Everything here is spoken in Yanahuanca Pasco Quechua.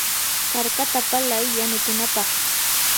karkata palay yanukunapaq.